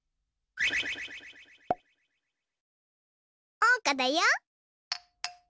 おうかだよ。